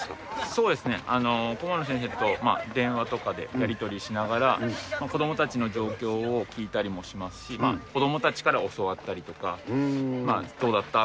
そうですね、顧問の先生と、電話とかでやり取りしながら、子どもたちの状況を聞いたりもしますし、子どもたちから教わったりとか、どうだった？